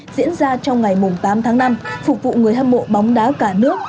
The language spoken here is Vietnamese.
diễn ra trong ngày tám tháng năm phục vụ người hâm mộ bóng đá cả nước